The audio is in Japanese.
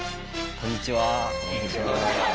こんにちは。